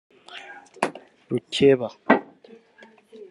Rukeba